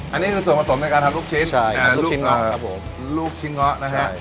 อันนี้คือส่วนผสมในการทำลูกชิ้นลูกชิ้นเงาะครับผมลูกชิ้นเงาะนะฮะ